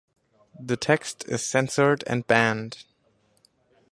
The text is censored and banned.